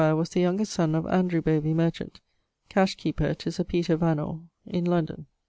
was the youngest son of Andrew Bovey, merchant, cash keeper to Sir Peter Vanore, in London.